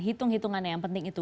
hitung hitungannya yang penting itu